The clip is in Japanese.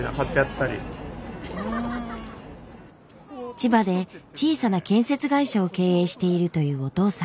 千葉で小さな建設会社を経営しているというお父さん。